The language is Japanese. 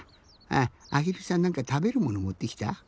あっあひるさんなんかたべるものもってきた？